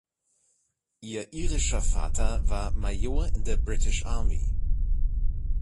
Ihr irischer Vater war Major in der British Army.